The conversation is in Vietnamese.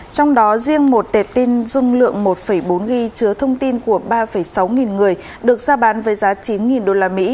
trong đó riêng một tệp tin dung lượng một bốn g chứa thông tin của ba sáu nghìn người được ra bán với giá chín usd